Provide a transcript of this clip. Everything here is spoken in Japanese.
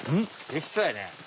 できそうやね。